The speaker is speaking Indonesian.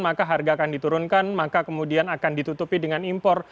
maka harga akan diturunkan maka kemudian akan ditutupi dengan impor